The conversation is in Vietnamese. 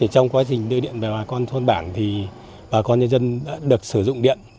trong quá trình đưa điện về bà con thôn bản bà con nhân dân đã được sử dụng điện